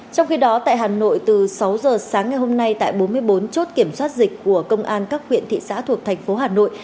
trong khi đó tại hà nội từ sáu giờ sáng ngày hôm nay tại bốn mươi bốn chốt kiểm soát dịch của công an các huyện thị xã thuộc thành phố hà nội